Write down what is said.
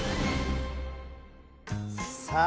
さあ